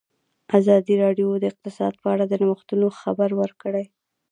ازادي راډیو د اقتصاد په اړه د نوښتونو خبر ورکړی.